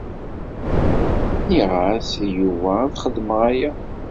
Nniɣ-as i Yuba ad xedmeɣ aya.